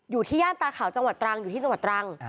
ย่านตาขาวจังหวัดตรังอยู่ที่จังหวัดตรัง